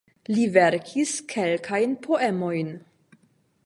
Li verkis kelkajn poemojn.